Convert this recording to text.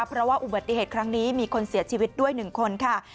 เพราะว่าอุบัติเหตุครั้งนี้มีคนเสียชีวิตด้วย๑คนค่ะ